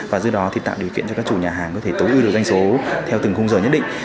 và do đó thì tạo điều kiện cho các chủ nhà hàng có thể tối ưu được doanh số theo từng khung giờ nhất định